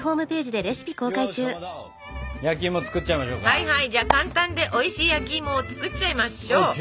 はいはいじゃあ簡単でおいしい焼きいもを作っちゃいましょう！ＯＫ。